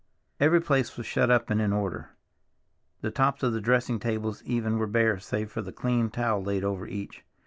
Every place was shut up and in order; the tops of the dressing tables even were bare save for the clean towel laid over each.